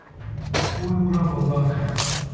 پول او را گمراه کرد.